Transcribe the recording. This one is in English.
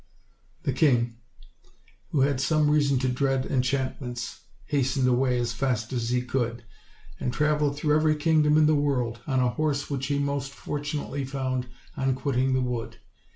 The king, who had some reason to dread enchantments, hastened away as fast as he could, and traveled through every kingdom in the world, on a horse which he most fortunately found on quitting the wood.